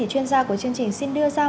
chuyên gia của chương trình xin đưa ra